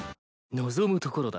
望むところだ。